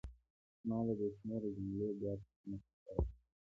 ما د بې شمېره جملو بیاکتنه ترسره کړه.